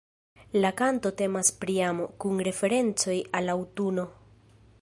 La kanto temas pri amo, kun referencoj al aŭtuno.